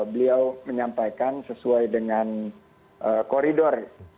beliau menyampaikan sesuai dengan koridor